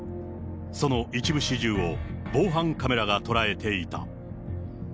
その一部始終を防犯カメラが捉えていた。